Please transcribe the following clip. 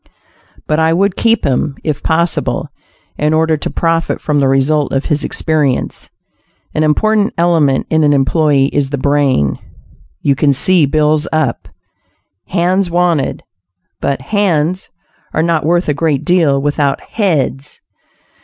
But I would keep him, if possible, in order to profit from the result of his experience. An important element in an employee is the brain. You can see bills up, "Hands Wanted," but "hands" are not worth a great deal without "heads."